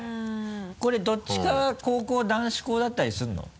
これどっちか高校男子校だったりするの？